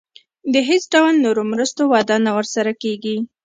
د هیڅ ډول نورو مرستو وعده نه ورسره کېږي.